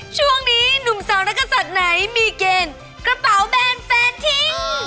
ช่วงนี้หนุ่มสาวนักศัตริย์ไหนมีเกณฑ์กระเป๋าแบนแฟนทิ้ง